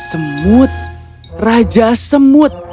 semut raja semut